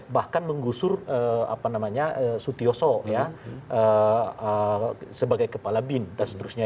bahkan menggusur sutioso sebagai kepala bin dan seterusnya